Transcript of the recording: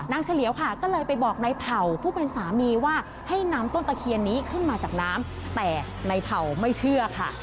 เฉลียวค่ะก็เลยไปบอกในเผ่าผู้เป็นสามีว่าให้นำต้นตะเคียนนี้ขึ้นมาจากน้ำแต่ในเผ่าไม่เชื่อค่ะ